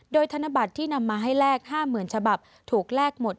โดยธนบัตรที่นำมาให้แลก๕๐๐๐ฉบับถูกแลกหมด